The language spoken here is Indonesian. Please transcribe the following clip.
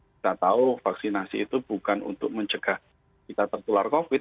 kita tahu vaksinasi itu bukan untuk mencegah kita tertular covid